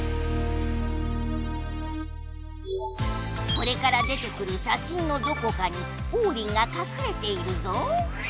これから出てくる写真のどこかにオウリンがかくれているぞ。